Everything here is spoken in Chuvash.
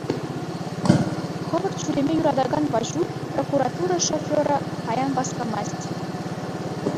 Хӑвӑрт ҫӳреме юратакан Ваҫук, прокуратура шоферӗ, паян васкамасть.